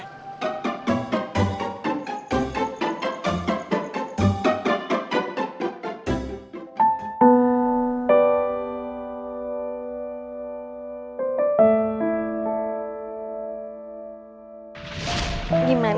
yaudah deh man